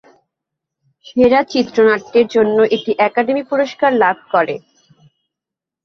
সেরা চিত্রনাট্যের জন্য এটি একাডেমি পুরস্কার লাভ করে।